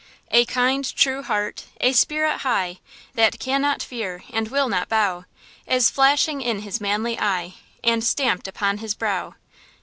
A kind, true heart, a spirit high, That cannot fear and will not bow, Is flashing in his manly eye And stamped upon his brow.